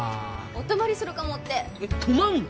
お泊まりするかもってえっ泊まんの？